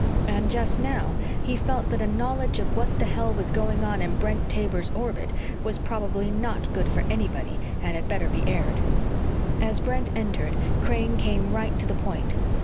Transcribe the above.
And just now, he felt that a knowledge of what the hell was going on in Brent Taber's orbit was probably not good for anybody and had better be aired. As Brent entered, Crane came right to the point.